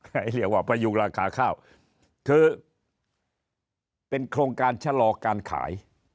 ให้เรียกว่าพยุงราคาข้าวคือเป็นโครงการชะลอการขาย